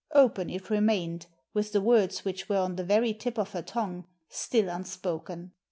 Open it remainecj, with the words which were on the very tip of her tongue still unspoken.